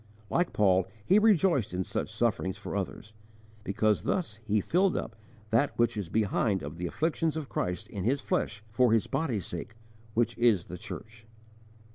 Like Paul he rejoiced in such sufferings for others, because thus he filled up that which is behind of the afflictions of Christ in his flesh for His body's sake which is the church.